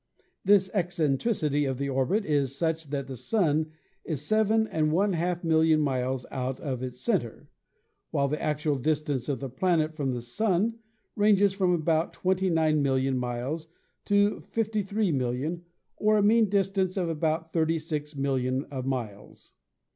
This eccentricity of the orbit is such that the Sun is seven and one half million miles out of its center, while the actual distance of the planet from the Sun ranges from about twenty nine million miles to forty three million, or a mean distance of about thirty six millions of miles.